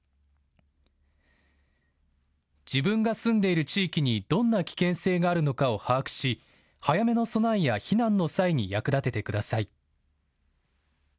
自分が住んでいる地域にどんな危険性があるのかを把握し早めの備えや避難の際に役立ててください。